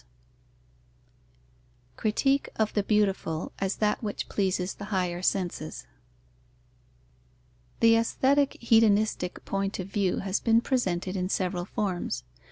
Critique of the beautiful as that which pleases the higher senses. The aesthetic hedonistic point of view has been presented in several forms.